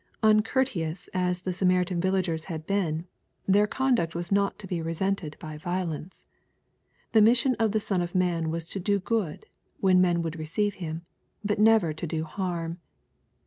ITncourtdous as the Samaritan villagers had been, their conduct was not to be resented by violence. The mission of the Son of man w:as to do good, when men would receive Him, but never to do harm.